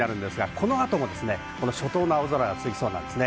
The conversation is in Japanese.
この後も初冬の青空が続きそうです。